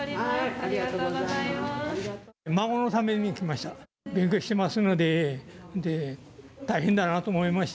ありがとうございます。